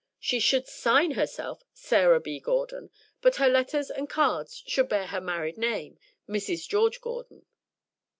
She should sign herself 'Sarah B. Gordon,' but her letters and cards should bear her married name, 'Mrs. George Gordon.'"